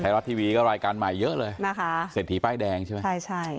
รัฐทีวีก็รายการใหม่เยอะเลยนะคะเศรษฐีป้ายแดงใช่ไหมใช่ใช่